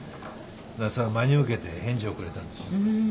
それを真に受けて返事をくれたんですよ。